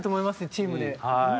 チームで。